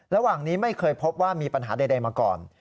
ระหว่างนี้ไม่เคยพบว่ามีปัญหาใดมาก่อน